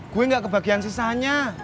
gue gak kebagian sisanya